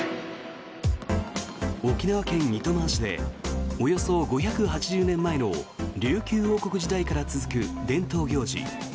沖縄県糸満市でおよそ５８０年前の琉球王国時代から続く伝統行事